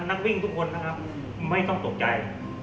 นักวิ่งทุกคนนะครับไม่ต้องตกใจ